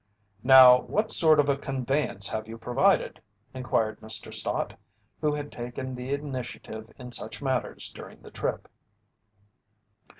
"Now, what sort of a conveyance have you provided?" inquired Mr. Stott, who had taken the initiative in such matters during the trip.